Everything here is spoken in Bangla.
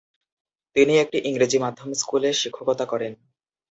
তিনি একটি ইংরেজি মাধ্যম স্কুলে শিক্ষকতা করেন।